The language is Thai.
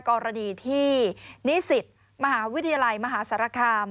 กรณีที่นิสิตมหาวิทยาลัยมหาสารคาม